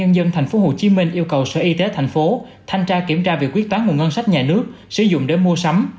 ubnd tp hcm yêu cầu sở y tế thành phố thanh tra kiểm tra việc quyết toán nguồn ngân sách nhà nước sử dụng để mua sắm